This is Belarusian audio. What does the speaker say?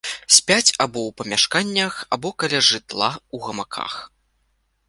Спяць або ў памяшканнях, або каля жытла ў гамаках.